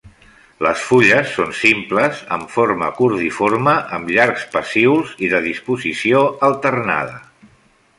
Les fulles són simples amb forma cordiforme amb llargs pecíols i de disposició alternada.